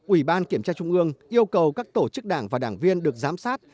ủy ban kiểm tra trung ương yêu cầu các tổ chức đảng và đảng viên được giám sát